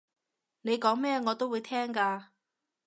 你講咩我都會聽㗎